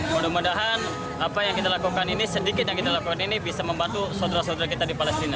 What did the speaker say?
mudah mudahan apa yang kita lakukan ini sedikit yang kita lakukan ini bisa membantu saudara saudara kita di palestina